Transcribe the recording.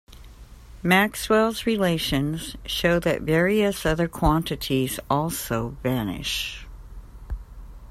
Maxwell's relations show that various other quantities also vanish.